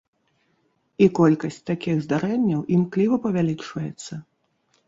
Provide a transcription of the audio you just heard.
І колькасць такіх здарэнняў імкліва павялічваецца.